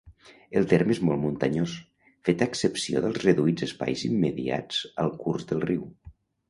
El terme és molt muntanyós, feta excepció dels reduïts espais immediats al curs del riu.